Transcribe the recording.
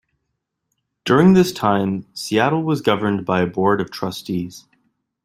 During this time, Seattle was governed by a Board of Trustees.